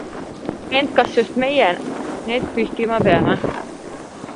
Ent kas just meie-need pühkima peame.